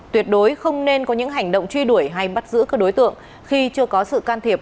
tuyệt đối không nên có những hành động truy đuổi hay bắt giữ các đối tượng khi chưa có sự can thiệp